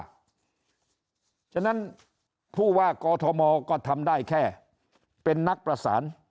เพราะฉะนั้นผู้ว่ากอทมก็ทำได้แค่เป็นนักประสาน